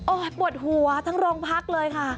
ปวดหัวทั้งโรงพักเลยค่ะ